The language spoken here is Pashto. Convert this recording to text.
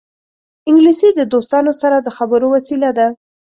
انګلیسي د دوستانو سره د خبرو وسیله ده